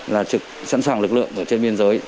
là trực sẵn sàng lực lượng trên biên giới